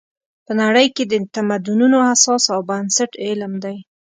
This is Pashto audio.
په نړۍ کې د تمدنونو اساس او بنسټ علم دی.